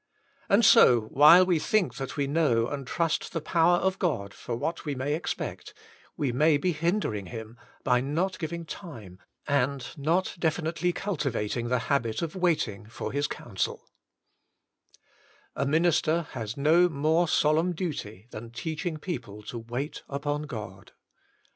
And so, while we think that we know and trust the power of God for what we may expect, we may be hindering Him by not giving time, andf 7« WAITING ON GOBI not definitely cnltlyating the habit of waiting for His counsel A minister has no more solemn duty than teaching people to wait upon God.